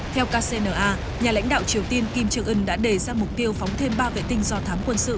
theo kcna nhà lãnh đạo triều tiên kim trương ưn đã đề ra mục tiêu phóng thêm ba vệ tinh do thám quân sự